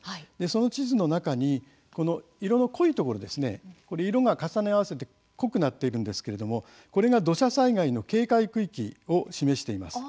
その地図の中に色の濃いところ色が、重ね合わせて濃くなっているんですけれどもこれが、土砂災害の警戒区域を示しています。